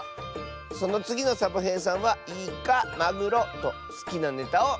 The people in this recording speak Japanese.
そのつぎのサボへいさんは「イカマグロ」とすきなネタをいってね！